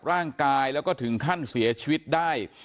ร่างกายแล้วก็ถึงขั้นเสียชีวิตได้